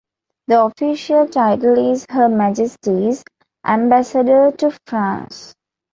The official title is Her Majesty's Ambassador to France.